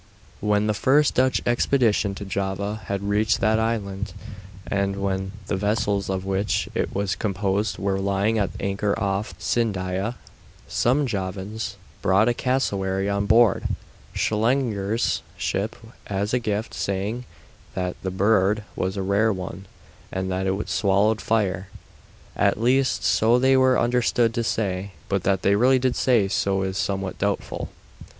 When the first Dutch expedition to Java had reached that island, and when the vessels of which it was composed were lying at anchor off Sindaya, some Javans brought a cassowary on board Schellenger's ship as a gift, saying that the bird was a rare one and that it swallowed fire. At least, so they were understood to say, but that they really did say so is somewhat doubtful.